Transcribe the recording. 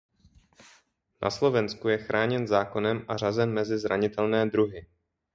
Na Slovensku je chráněn zákonem a řazen mezi zranitelné druhy.